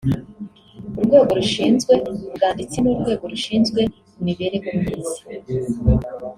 urwego rushinzwe ubwanditsi n'urwego rushinzwe imibereho myiza